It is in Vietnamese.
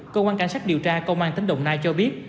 cơ quan cảnh sát điều tra công an tỉnh đồng nai cho biết